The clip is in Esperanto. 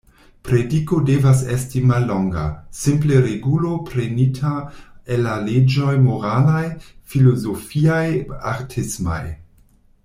Prediko devas esti mallonga: simple regulo, prenita el la leĝoj moralaj, filozofiaj, artismaj.